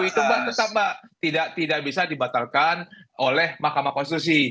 jadi sebuah keputusan kpu itu bang tetap bang tidak bisa dibatalkan oleh mahkamah konstitusi